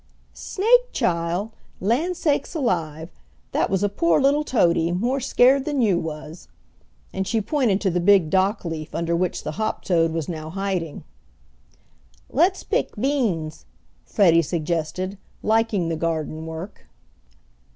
"Snake, chile; lan' sakes alive! Dat was a poor little toady more scare' den you was," and she pointed to the big dock leaf under which the hop toad was now hiding. "Let's pick beans," Freddie suggested, liking the garden work.